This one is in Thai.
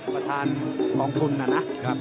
ประธานของคุณนะครับ